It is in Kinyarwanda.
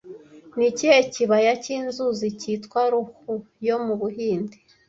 Ni ikihe kibaya cyinzuzi cyitwa 'Ruhr yo mu Buhinde'